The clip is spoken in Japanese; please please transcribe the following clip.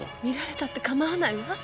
見られたってかまわないわ。